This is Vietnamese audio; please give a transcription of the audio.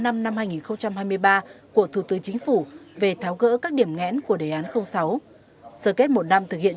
năm năm hai nghìn hai mươi ba của thủ tướng chính phủ về tháo gỡ các điểm ngẽn của đề án sáu sơ kết một năm thực hiện